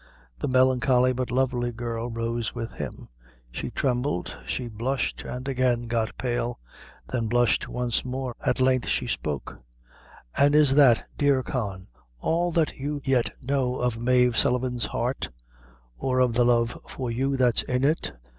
The melancholy but lovely girl rose with him; she trembled; she blushed and again got pale; then blushed once more; at length she spoke: "An' is that, dear Con, all that you yet know of Mave Sullivan's heart, or the love for you that's in it?